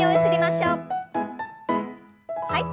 はい。